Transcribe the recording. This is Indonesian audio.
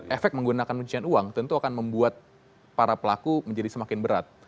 efek menggunakan ujian uang tentu akan membuat para pelaku menjadi semakin berat